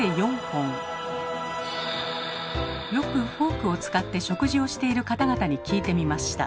よくフォークを使って食事をしている方々に聞いてみました。